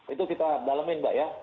itu kita dalamin mbak ya